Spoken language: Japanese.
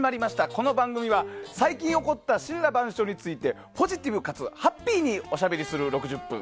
この番組は最近起こった森羅万象についてポジティブかつハッピーにおしゃべりする６０分。